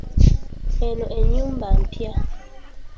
Eno ennyumba mpya.